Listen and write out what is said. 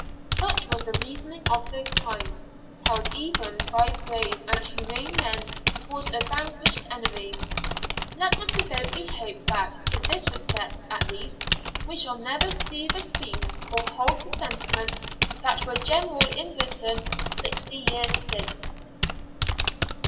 Such was the reasoning of those times, held even by brave and humane men towards a vanquished enemy. Let us devoutly hope that, in this respect at least, we shall never see the scenes or hold the sentiments that were general in Britain Sixty Years Since.